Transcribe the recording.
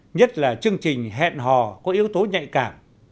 nhất là chương trình hẹn hò có yếu tố nhạy cảm